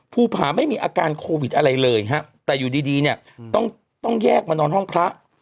ภูผาไม่มีอาการโควิดอะไรเลยฮะแต่อยู่ดีเนี่ยต้องแยกมานอนห้องพระ